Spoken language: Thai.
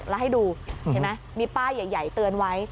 แล้วให้ดูเห็นไหมมีป้ายใหญ่เตือนไว้